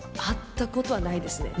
会ったことはないです。